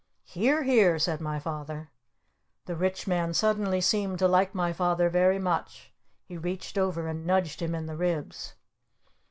"Hear! Hear!" said my Father. The Rich Man suddenly seemed to like my Father very much. He reached over and nudged him in the ribs.